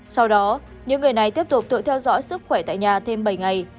sau đó những người này tiếp tục tự theo dõi sức khỏe tại nhà thêm bảy ngày